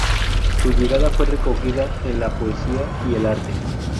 Su llegada fue recogida en la poesía y el arte.